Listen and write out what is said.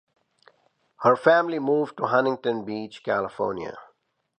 Her family moved to Huntington Beach, California.